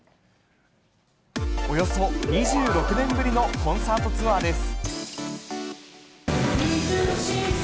およそ２６年ぶりのコンサートツアーです。